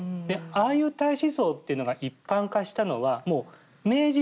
ああいう太子像っていうのが一般化したのはもう明治時代以降なんです。